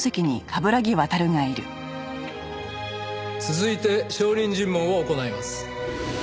続いて証人尋問を行います。